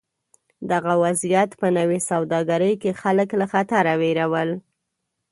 دغه وضعیت په نوې سوداګرۍ کې خلک له خطره وېرول.